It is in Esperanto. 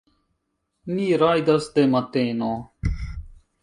Ni rajdas de mateno.